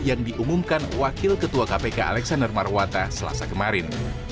yang diumumkan wakil ketua kpk alexander marwata selasa kemarin